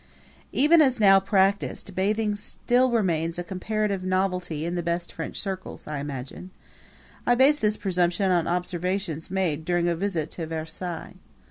Even as now practiced, bathing still remains a comparative novelty in the best French circles, I imagine. I base this presumption on observations made during a visit to Versailles.